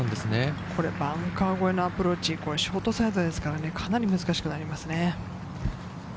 バンカー越えのアプローチ、ショート越えですから、かなり難しいですね。